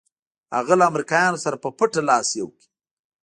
هغه له امریکایانو سره په پټه لاس یو کړ.